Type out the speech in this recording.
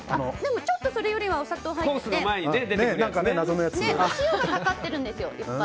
ちょっとそれよりはお砂糖が入っててあと、お塩がいっぱいかかってるんです。